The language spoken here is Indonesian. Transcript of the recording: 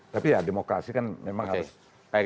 tapi ya demokrasi kan memang harus